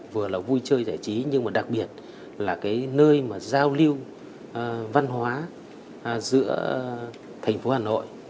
vừa là vui chơi giải trí nhưng mà đặc biệt là cái nơi mà giao lưu văn hóa giữa thành phố hà nội